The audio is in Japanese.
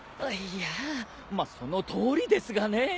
あっいやぁまあそのとおりですがね。